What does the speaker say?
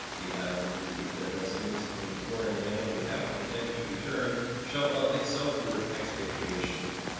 We have agreed that residence in a foreign land, without intent to return, shall of itself work expatriation.